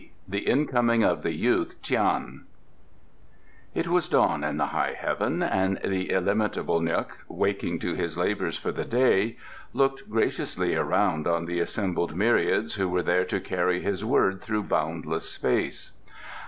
THE IN COMING OF THE YOUTH, TIAN It was dawn in the High Heaven and the illimitable N'guk, waking to his labours for the day, looked graciously around on the assembled myriads who were there to carry his word through boundless space.